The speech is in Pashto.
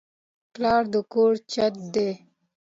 پلار د کور چت دی